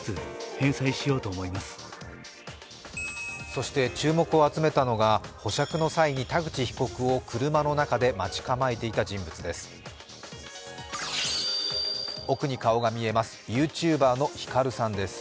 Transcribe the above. そして、注目を集めたのが、保釈の際に田口被告を車の中で待ち構えていた人物です。